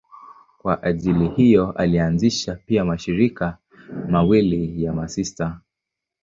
Kwa ajili hiyo alianzisha pia mashirika mawili ya masista.